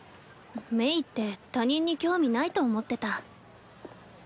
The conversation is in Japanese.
鳴って他人に興味ないと思ってた。